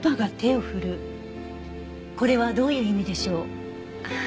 これはどういう意味でしょう？